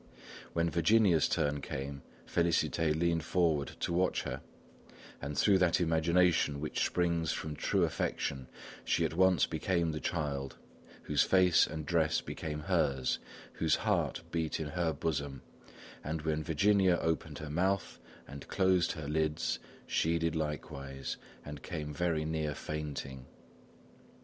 When Virginia's turn came, Félicité leaned forward to watch her, and through that imagination which springs from true affection, she at once became the child, whose face and dress became hers, whose heart beat in her bosom, and when Virginia opened her mouth and closed her lids, she did likewise and came very near fainting.